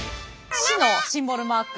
市のシンボルマーク。